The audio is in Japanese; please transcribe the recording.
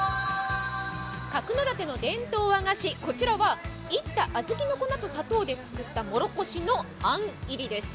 角館の伝統和菓子、こちらは、いった小豆の粉と砂糖で作ったもろこしのあん入りです。